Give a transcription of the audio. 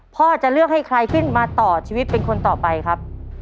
พ่อจะเลือกให้ใครขึ้นมาต่อชีวิตเป็นคนต่อไปครับ